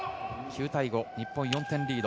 ９対５、日本４点リード。